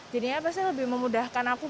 jadinya pasti lebih memudahkan aku